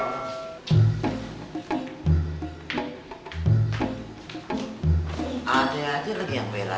bingung gua jadi apa